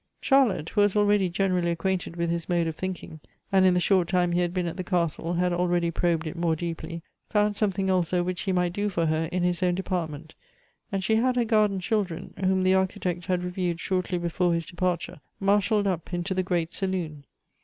Charlotte, who was already generally acquainted with his mode of thinking, and in the short time he had been at the castle, had already probed it more deeply, found something also which he might do for her in his own department ; and she had her garden children, whom the Architect had reviewed shortly before his departure, mar shalled up into the great saloon.